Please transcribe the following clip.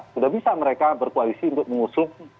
sudah bisa mereka berkoalisi untuk mengusung